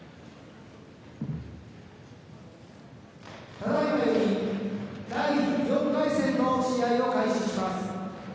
ただいまより第４回戦の試合を開始します。